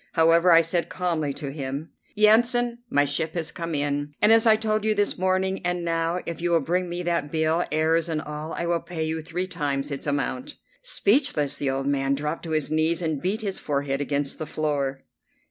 However, I said calmly to him: "Yansan, my ship has come in, as I told you this morning; and now, if you will bring me that bill, errors and all, I will pay you three times its amount." Speechless, the old man dropped on his knees and beat his forehead against the floor.